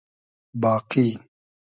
باقی